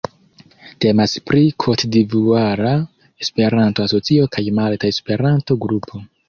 Temas pri Kotdivuara Esperanto-Asocio kaj Malta Esperanto-Grupo.